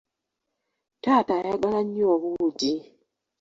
Taata ayagala nnyo obuugi.